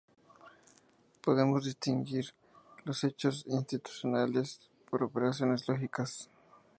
C. Podemos distinguir los hechos institucionales por operaciones lógicas.